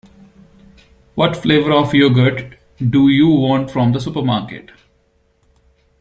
What flavour of yoghurt do you want from the supermarket?